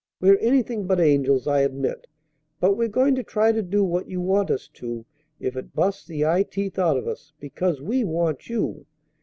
We're anything but angels, I admit, but we're going to try to do what you want us to if it busts the eye teeth out of us, because we want you.